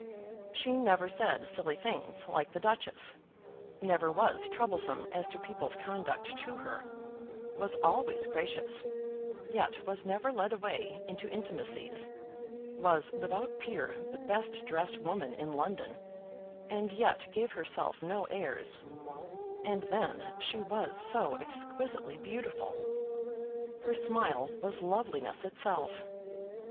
She never said silly things, like the Duchess, never was troublesome as to people's conduct to her, was always gracious, yet was never led away into intimacies, was without peer the best dressed woman in London, and yet gave herself no airs; and then she was so exquisitely beautiful. Her smile was loveliness itself.